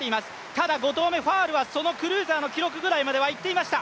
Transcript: ただ、５投目、そのファウルはクルーザーの記録ぐらいまでは行っていました。